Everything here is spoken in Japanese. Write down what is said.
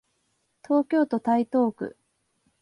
東京都台東区